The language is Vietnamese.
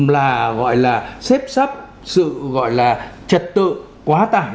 là gọi là xếp sắp sự gọi là trật tự quá tải